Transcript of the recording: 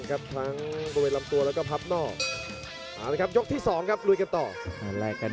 ชัมเปียร์ชาเลน์